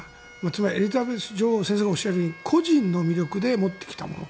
つまりエリザベス女王先生がおっしゃるように個人の魅力で持ってきたもの。